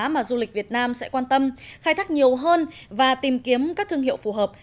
mà du lịch việt nam sẽ quan tâm khai thác nhiều hơn và tìm kiếm các thương hiệu phù hợp